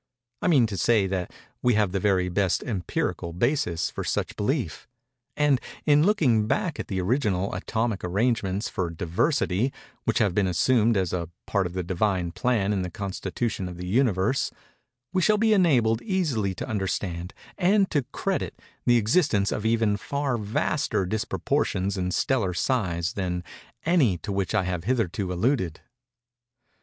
I mean to say that we have the very best empirical basis for such belief:—and, in looking back at the original, atomic arrangements for diversity, which have been assumed as a part of the Divine plan in the constitution of the Universe, we shall be enabled easily to understand, and to credit, the existence of even far vaster disproportions in stellar size than any to which I have hitherto alluded.